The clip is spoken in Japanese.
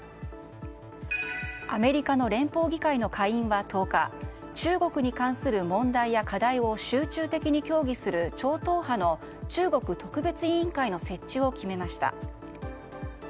アメリカの連邦議会の下院は１０日中国に関する問題や課題を集中的に協議する超党派の中国特別委員会の設置を決めました。